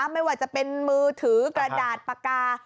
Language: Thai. ไม่ว่าจะเป็นมือถือกระดาษปากกา